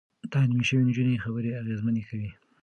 تعليم شوې نجونې خبرې اغېزمنې کوي.